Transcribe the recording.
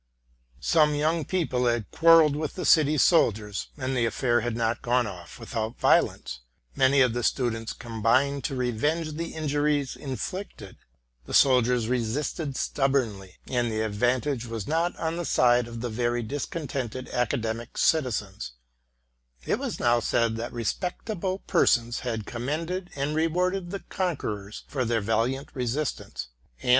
Some young people had quarrelled with the city soldiers, and the affair had not gone off without violence. Many of the students combined to revenge the injuries inflicted. The soldiers resisted stub bornly, and the advantage was not on the side of the very discontented academical citizens, It was uow said that, RELATING TO MY LIFE. 219 respectable persons had commended and rewarded the con querors for their valiant resistance ; and.